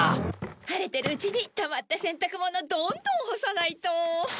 晴れてるうちにたまった洗濯物をどんどん干さないと。